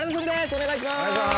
お願いします。